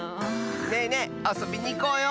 ねえねえあそびにいこうよ！